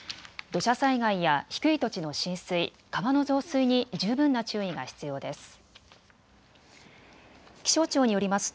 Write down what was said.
土砂災害や低い土地の浸水、川の増水に十分な注意が必要です。